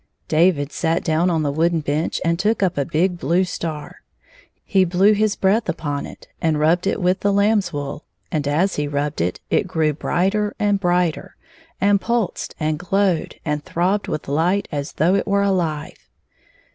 David sat down on the wooden bench and took up a big blue star. He blew his breath upon it and rubbed it with the lamb's wool, and as he rubbed it it grew brighter and brighter, and pulsed and glowed and throbbed with light as though it were alive.